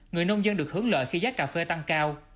người nông dân được hướng lợi khi giá cà phê tăng cao